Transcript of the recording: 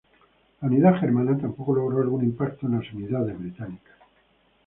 La unidad germana tampoco logró algún impacto en las unidades británicas.